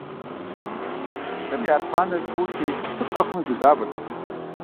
ЛӀым и архъуанэр куути, сыт къэхъуми гузавэртэкъым.